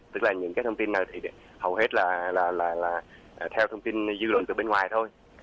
tức là những cái thông tin này thì hầu hết là theo thông tin dư luận từ bên ngoài thôi